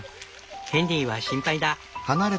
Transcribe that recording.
ヘンリーは心配だ。